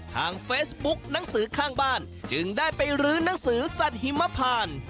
ทางเฟซบุ๊กหนังสือข้างบ้านจึงได้ไปรื้อนังสือสัตว์หิมพาน